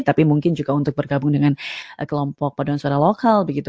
tapi mungkin juga untuk bergabung dengan kelompok padang suara lokal begitu